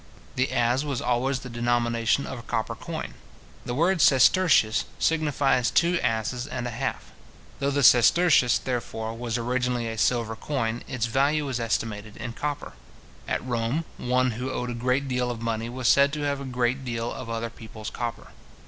The as was always the denomination of a copper coin. The word sestertius signifies two asses and a half. Though the sestertius, therefore, was originally a silver coin, its value was estimated in copper. At Rome, one who owed a great deal of money was said to have a great deal of other people's copper.